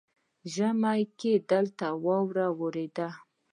ژمي کې دلته واوره ورېده